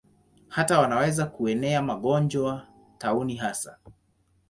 Hata wanaweza kuenea magonjwa, tauni hasa.